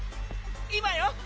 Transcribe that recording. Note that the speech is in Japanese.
今よ！